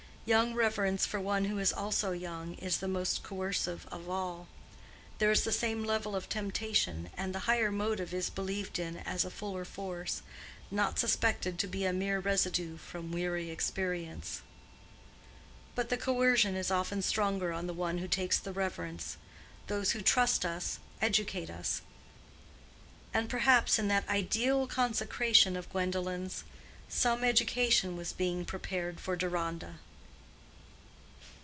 Young reverence for one who is also young is the most coercive of all: there is the same level of temptation, and the higher motive is believed in as a fuller force—not suspected to be a mere residue from weary experience. But the coercion is often stronger on the one who takes the reverence. Those who trust us educate us. And perhaps in that ideal consecration of Gwendolen's, some education was being prepared for Deronda.